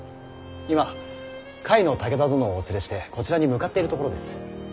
今甲斐の武田殿をお連れしてこちらに向かっているところです。